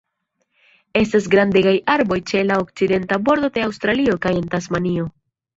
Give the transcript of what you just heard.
Estas grandegaj arboj ĉe la okcidenta bordo de Aŭstralio kaj en Tasmanio.